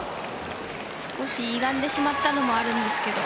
少しゆがんでしまったのもあるんですけど